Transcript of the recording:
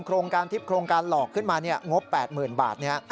โครงการทิพย์โครงการหลอกขึ้นมางบ๘๐๐๐บาท